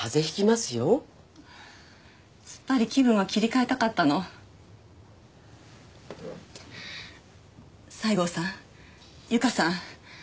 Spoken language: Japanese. すっぱり気分を切り替えたかったの西郷さん・由香さん